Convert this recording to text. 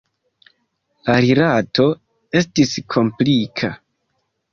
La rilato estis komplika.